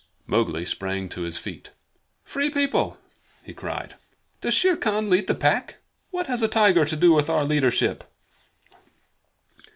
Mowgli sprang to his feet. "Free People," he cried, "does Shere Khan lead the Pack? What has a tiger to do with our leadership?"